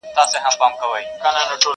پټه خوله یمه له ویري چا ته ږغ کولای نه سم.!